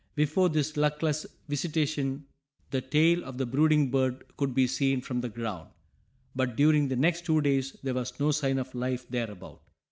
Before this luckless visitation the tail of the brooding bird could be seen from the ground, but during the next two days there was no sign of life thereabout.